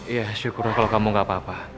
ya syukur lah kalau kamu gak apa apa